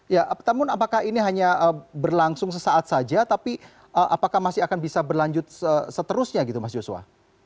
ya namun apakah ini hanya berlangsung sesaat saja tapi apakah masih akan bisa berlanjut seterusnya gitu mas joshua